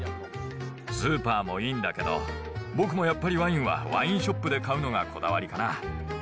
スーパーもいいんだけど、僕もやっぱりワインはワインショップで買うのがこだわりかな。